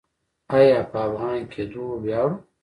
آیا په افغان کیدو ویاړو؟